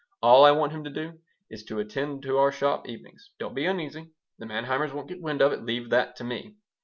All I want him to do is to attend to our shop evenings. Don't be uneasy: the Manheimers won't get wind of it. Leave that to me.